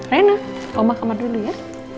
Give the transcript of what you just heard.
reina oma kamar dulu ya